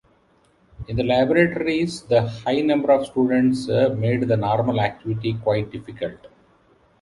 In the laboratories the high number of students made the normal activity quite difficult.